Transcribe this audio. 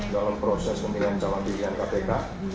dalam proses pemilihan calon pilihan kpk